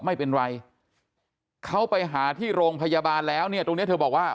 ไม่เป็นไรเขาไปหาที่โรงพยาบาลแล้วเนี่ยตรงนี้เธอบอกว่า